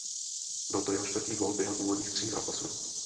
Byl to jeho čtvrtý gól během úvodních tří zápasů.